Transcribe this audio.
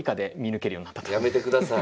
やめてください。